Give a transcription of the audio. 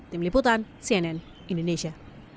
tim liputan cnn indonesia